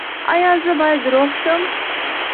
ایا زه باید روغ شم؟